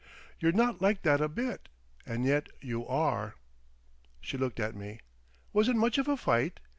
You're not like that a bit. And yet you are!" She looked at me. "Was it much of a fight?